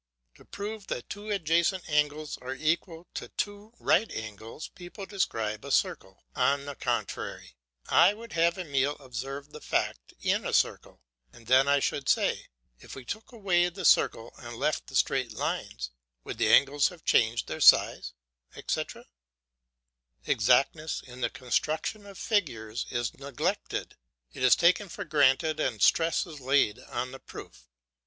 To prove that two adjacent angles are equal to two right angles people describe a circle. On the contrary I would have Emile observe the fact in a circle, and then I should say, "If we took away the circle and left the straight lines, would the angles have changed their size, etc.?" Exactness in the construction of figures is neglected; it is taken for granted and stress is laid on the proof.